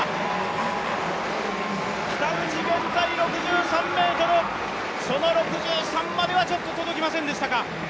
北口、現在、６３ｍ、その６３まではちょっと届きませんでしたか。